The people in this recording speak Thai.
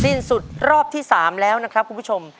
สิ้นสุดรอบที่๓แล้วนะครับคุณผู้ชม